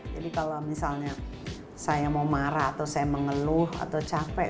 jadi kalau misalnya saya mau marah atau saya mengeluh atau capek